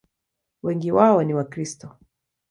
Wengi wao ni Wakristo.